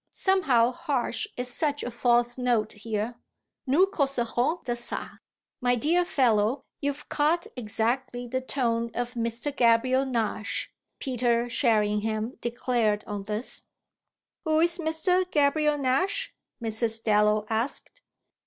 Somehow Harsh is such a false note here. Nous causerons de ça." "My dear fellow, you've caught exactly the tone of Mr. Gabriel Nash," Peter Sherringham declared on this. "Who's Mr. Gabriel Nash?" Mrs. Dallow asked.